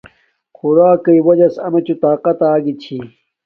خوراکݵ وجس امیے چوں طاقت آگی چھی